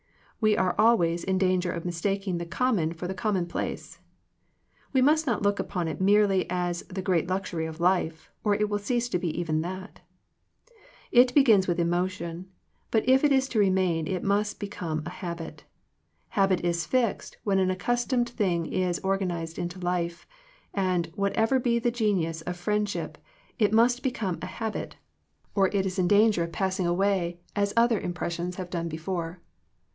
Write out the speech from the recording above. We are always in danger of mistaking the common for the commonplace. We must not look upon it merely as the great luxury of life, or it will cease to be even that. It begins with emotion, but if it is to remain it must be come a habit. Habit is fixed when an accustomed thing is organized into life; and, whatever be the genesis of friend ship, it must become a habit, or it is in 43 Digitized by VjOOQIC THE CULTURE OF FRIENDSHIP danger of passing away as other impres sions have done before.